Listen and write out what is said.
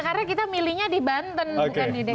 karena kita milihnya di banten bukan di dki